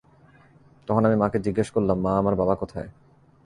তখন আমি মাকে জিজ্ঞেস করলাম, মা, আমার বাবা কোথায়?